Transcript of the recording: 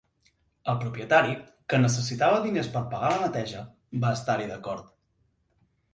El propietari, que necessitava diners per pagar la neteja, va estar-hi d'acord.